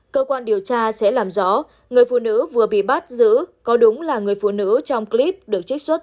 cơ quan điều tra sẽ làm rõ người phụ nữ vừa bị bắt giữ có đúng là người phụ nữ trong clip được trích xuất